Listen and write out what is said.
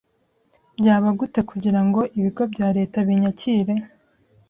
Byaba gute kugira ngo ibigo bya leta binyakire